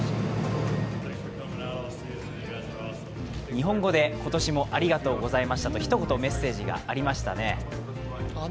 日本語で「今年もありがとうございました」とひと言メッセージがありましたね。